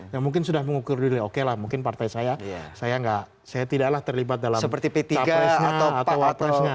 yang mungkin sudah mengukur diri oke lah mungkin partai saya saya tidaklah terlibat dalam capresnya atau wapresnya